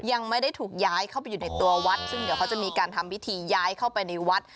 ยังไม่ได้ถูกย้ายเข้าไปอยู่ในตัววัดซึ่งเดี๋ยวเขาจะมีการทำพิธีย้ายเข้าไปในวัด